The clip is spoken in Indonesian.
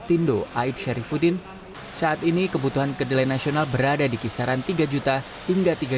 tindo aib syarifudin saat ini kebutuhan kedelai nasional berada di kisaran tiga juta hingga tiga